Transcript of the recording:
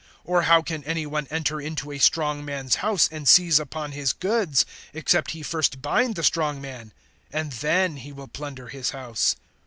(29)Or how can any one enter into a strong man's house, and seize upon his goods, except he first bind the strong man? And then he will plunder his house.